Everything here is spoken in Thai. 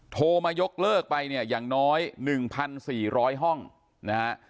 โทรมายกเลิกไปเนี่ยอย่างน้อย๑๔๐๐ห้องนะฮะ